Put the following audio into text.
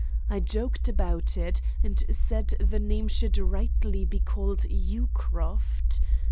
I joked about it, and said the place should rightly be called Yewcroft.